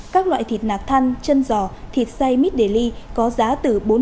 các loại thịt nạc thăn chân giò thịt xay mít đề ly có giá từ bốn mươi năm đồng